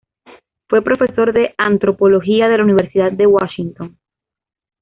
Fue profesor de antropología de la Universidad de Washington.